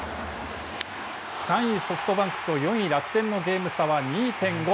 ３位ソフトバンクと４位楽天のゲーム差は２．５。